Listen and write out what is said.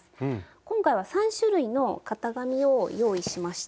今回は３種類の型紙を用意しました。